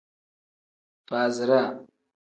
Faaziraa.